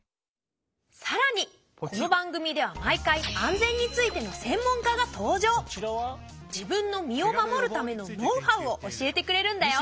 さらにこの番組では毎回自分の身を守るためのノウハウを教えてくれるんだよ。